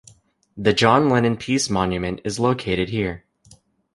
The John Lennon Peace Monument is located here.